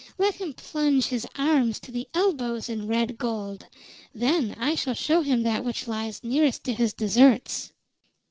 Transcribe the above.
Let him plunge his arms to the elbows in red gold. Then I shall show him that which lies nearest to his deserts."